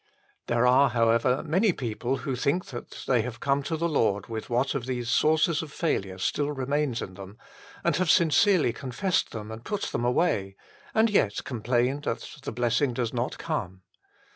There are, however, many people who think that they have come to the Lord with what of these sources of failure still remains in them, and have sincerely confessed them and put them away, and yet complain that the blessing does not come.